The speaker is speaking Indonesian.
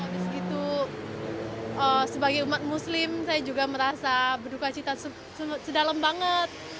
tentu segitu sebagai umat muslim saya juga merasa berdukacita sedalam banget